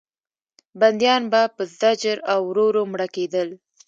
بندیان به په زجر او ورو ورو مړه کېدل.